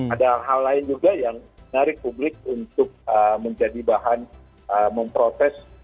ada hal lain juga yang menarik publik untuk menjadi bahan memprotes